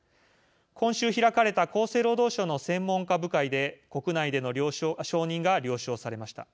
今週開かれた厚生労働省の専門家部会で国内での承認が了承されました。